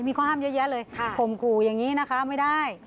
มีข้อห้ามเยอะแยะเลยข่มขู่อย่างนี้นะคะไม่ได้